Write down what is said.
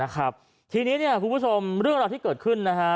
ครับทีนี้เนี่ยคุณผู้ชมเรื่องราวที่เกิดขึ้นนะฮะ